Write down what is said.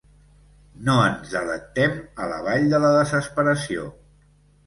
No ens delectem a la vall de la desesperació.